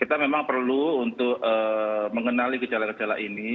kita memang perlu untuk mengenali gejala gejala ini